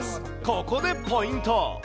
ここでポイント。